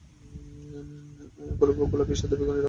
গোলাপী, সাদা, বেগুনী রঙের হয়ে থাকে।